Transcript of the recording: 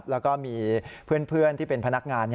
แล้วก็มีเพื่อนที่เป็นพนักงาน